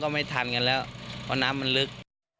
ไม่ทันกันแล้วเพราะน้ำมันลึก